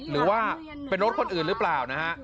หรือว่าเป็นรถคนอื่นหรือเปล่านะฮะ